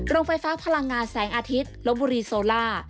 โรงไฟฟ้าพลังงานแสงอาทิตย์ลบบุรีโซล่า